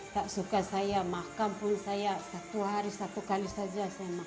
tak suka saya makam pun saya satu hari satu kali saja saya makan